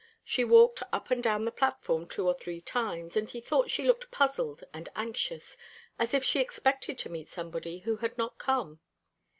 She walked up and down the platform two or three times, and he thought she looked puzzled and anxious, as if she expected to meet somebody who had not come.